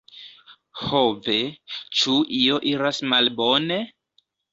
ho ve, ĉu io iras malbone?